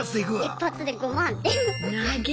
一発で５万。